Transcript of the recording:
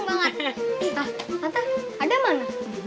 manta adam mana